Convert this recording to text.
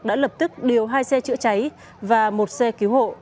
đã lập tức điều hai xe chữa cháy và một xe cứu hộ